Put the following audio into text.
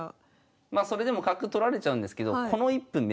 まあそれでも角取られちゃうんですけどなるほど。